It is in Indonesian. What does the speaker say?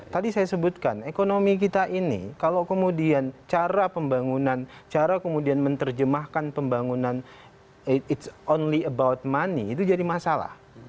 tadi saya sebutkan ekonomi kita ini kalau kemudian cara pembangunan cara kemudian menerjemahkan pembangunan ⁇ its ⁇ only about money itu jadi masalah